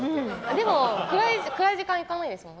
でも、暗い時間に行かないですもん。